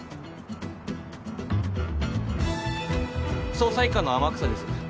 捜査一課の天草です。